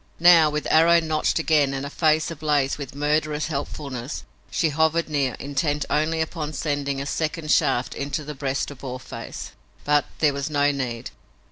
Now, with arrow notched again and a face ablaze with murderous helpfulness, she hovered near, intent only upon sending a second shaft into the breast of Boarface. But there was no need.